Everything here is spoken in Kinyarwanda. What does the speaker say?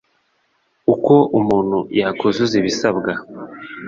Uko umuntu yakuzuza ibisabwa